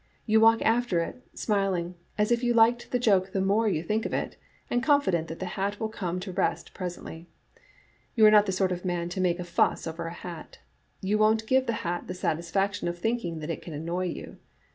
You walk after it, smiling, as if you liked the joke the more you think of it, and confident that the hat will come to rest presently. You are not the sort of man to make a fuss over a hat. You won't give the hat the satisfac tion of thinking that it can annoy you.